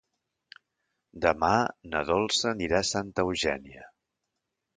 Demà na Dolça anirà a Santa Eugènia.